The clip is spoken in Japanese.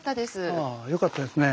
ああよかったですね。